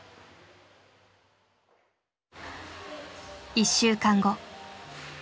１週間後。